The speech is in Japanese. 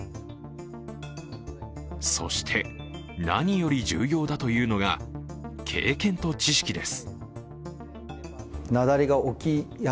そして、何より重要だというのが、経験と知識です。